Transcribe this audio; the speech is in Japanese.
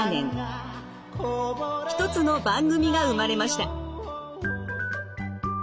一つの番組が生まれました。